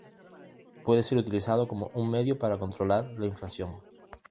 Puede ser utilizado como un medio para controlar la inflación.